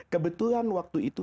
kebetulan waktu itu